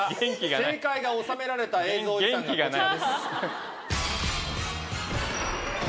正解がおさめられた映像遺産がこちらです。